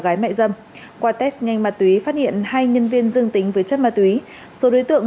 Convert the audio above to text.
gái mại dâm qua test nhanh ma túy phát hiện hai nhân viên dương tính với chất ma túy số đối tượng